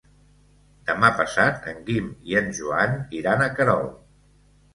Demà passat en Guim i en Joan iran a Querol.